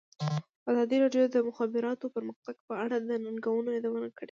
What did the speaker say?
ازادي راډیو د د مخابراتو پرمختګ په اړه د ننګونو یادونه کړې.